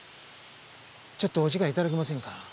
ちょっとお時間頂けませんか？